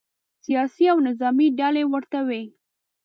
سیاسي او نظامې ډلې ورته وي.